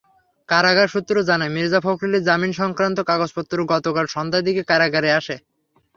কারাগার সূত্র জানায়, মির্জা ফখরুলের জামিনসংক্রান্ত কাগজপত্র গতকাল সন্ধ্যার দিকে কারাগারে আসে।